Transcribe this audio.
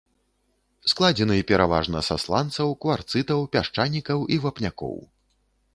Складзены пераважна са сланцаў, кварцытаў, пясчанікаў і вапнякоў.